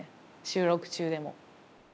収録中でも。